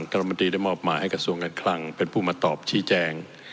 รัฐมนตรีได้มอบหมายให้กระทรวงการคลังเป็นผู้มาตอบชี้แจง